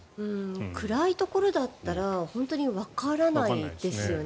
暗いところだったら本当にわからないですよね。